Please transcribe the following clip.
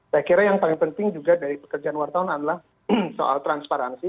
saya kira yang paling penting juga dari pekerjaan wartawan adalah soal transparansi